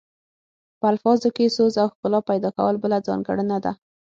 په الفاظو کې سوز او ښکلا پیدا کول بله ځانګړنه ده